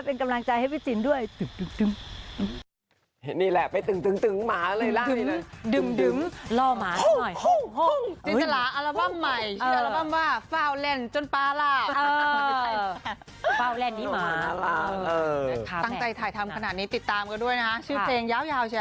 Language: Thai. เป็นกำลังใจให้พี่จินด้วย